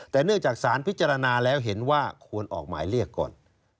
แต่เนื่องจากสารพิจารณาแล้วเห็นว่าควรออกหมายเรียกก่อน